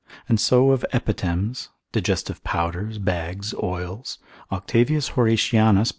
And so of epithems, digestive powders, bags, oils, Octavius Horatianus lib.